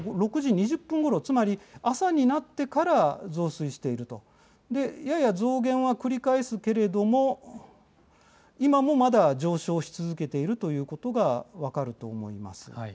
これも少しさかのぼると、やはりここ、６時２０分ごろ、つまり朝になってから増水していると、やや増減は繰り返すけれども、今もまだ上昇し続けているということが分かると思います。